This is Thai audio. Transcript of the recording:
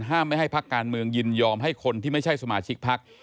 ไม่ให้พักการเมืองยินยอมให้คนที่ไม่ใช่สมาชิกพัก